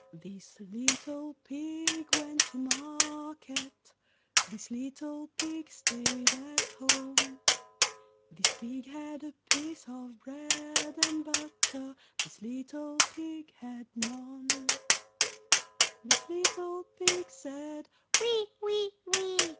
] This little pig went to market; This little pig stayed at home; This pig had a piece of bread and butter; This little pig had none; This little pig said, "Wee, wee, wee!